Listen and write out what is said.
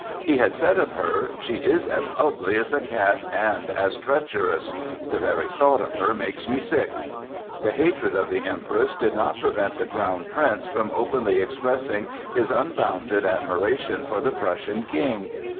He had said of her: "She is as ugly as a cat and as treacherous; the very thought of her makes me sick." The hatred of the Empress did not prevent the Crown Prince from openly expressing his unbounded admiration for the Prussian King.